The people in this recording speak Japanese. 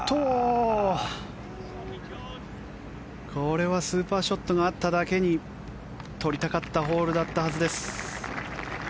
これはスーパーショットがあっただけに取りたかったホールだったはずです。